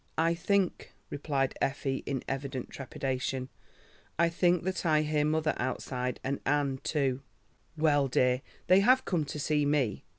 "I think," replied Effie in evident trepidation, "I think that I hear mother outside and Anne too." "Well, dear, they have come to see me."